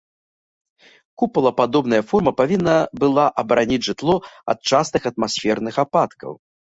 Купалападобная форма павінна была абараніць жытло ад частых атмасферных ападкаў.